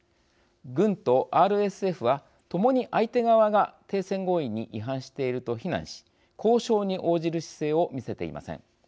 軍とＲＳＦはともに相手側が停戦合意に違反していると非難し交渉に応じる姿勢を見せていません。